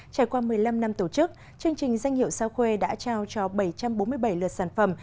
trải qua một mươi năm năm tổ chức chương trình danh hiệu sao khuê đã trao cho bảy trăm bốn mươi bảy lượt sản phẩm